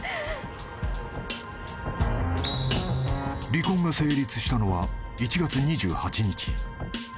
［離婚が成立したのは１月２８日］